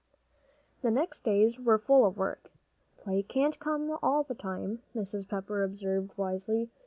The next days were full of work. "Play can't come all the time," Mrs. Pepper observed wisely.